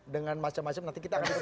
dengan macam macam nanti kita akan